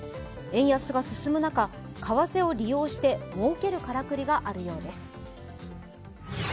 円安が進む中、為替を利用してもうけるからくりがあるようです。